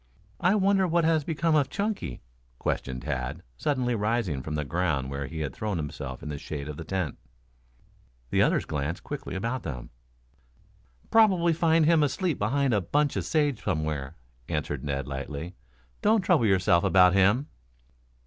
"I wonder what has become of Chunky?" questioned Tad suddenly, rising from the ground where he had thrown himself in the shade of the tent. The others glanced quickly about them. "Probably find him asleep behind a bunch of sage somewhere," answered Ned lightly. "Don't trouble yourself about him."